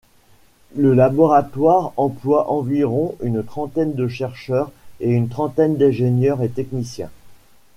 Le laboratoire emploie environ une trentaine de chercheurs et une trentaine d'ingénieurs et techniciens.